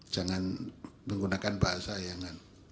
jangan menggunakan bahasa yangan